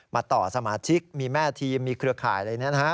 ต่อสมาชิกมีแม่ทีมมีเครือข่ายอะไรนี้นะฮะ